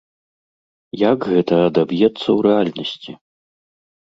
Як гэта адаб'ецца ў рэальнасці?